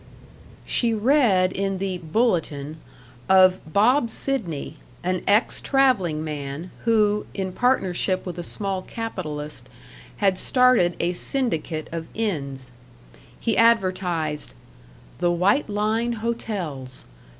She read in the Bulletin of Bob Sidney, an ex traveling man, who, in partnership with a small capitalist, had started a syndicate of inns. He advertised: "The White Line Hotels.